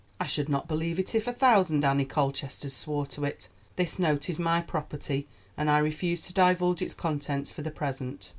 I should not believe it if a thousand Annie Colchesters swore to it. This note is my property, and I refuse to divulge its contents for the present."